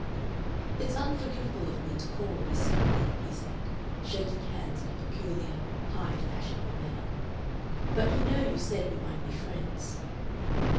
"It's unforgivable of me to call, Miss Stanley," he said, shaking hands in a peculiar, high, fashionable manner; "but you know you said we might be friends."